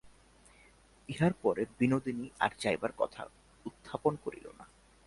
ইহার পরে বিনোদিনী আর যাইবার কথা উত্থাপন করিল না।